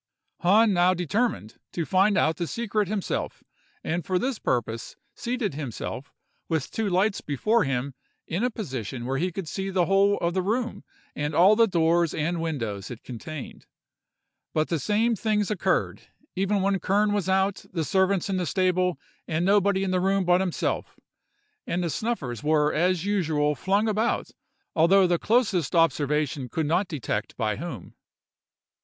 "Hahn now determined to find out the secret himself, and for this purpose seated himself, with two lights before him, in a position where he could see the whole of the room and all the doors and windows it contained;—but the same things occurred, even when Kern was out, the servants in the stables, and nobody in the room but himself; and the snuffers were as usual flung about, although the closest observation could not detect by whom.